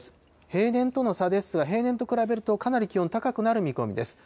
平年との差ですが、平年と比べると、かなり気温、高くなる見込みです。